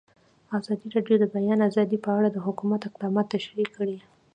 ازادي راډیو د د بیان آزادي په اړه د حکومت اقدامات تشریح کړي.